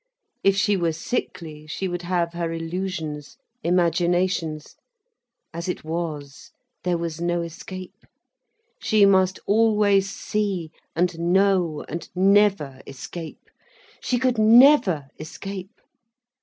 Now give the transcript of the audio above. If she were sickly she would have her illusions, imaginations. As it was, there was no escape. She must always see and know and never escape. She could never escape.